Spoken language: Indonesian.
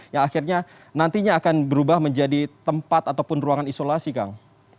yang akhirnya nantinya akan berubah menjadi tempat ataupun ruangan isolasi kang